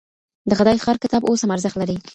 د خدای ښار کتاب اوس هم ارزښت لري.